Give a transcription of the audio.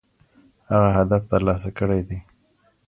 هغه هدف ترلاسه کړی دی.